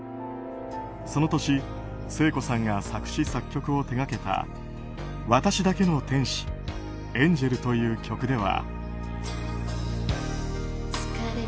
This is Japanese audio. その年、聖子さんが作詞・作曲を手掛けた「私だけの天使Ａｎｇｅｌ」という曲では。